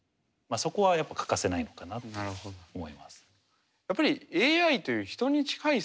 そこはやっぱ欠かせないのかなって思います。